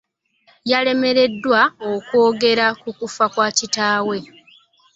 Yalemereddwa okwogera ku kufa kwa kitaawe.